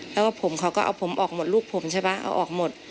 แล้วก็ผมเขาก็เอาผมออกหมดลูกผมใช่ป่ะเอาออกหมด